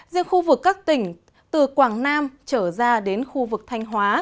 riêng khu vực các tỉnh từ quảng nam trở ra đến khu vực thanh hóa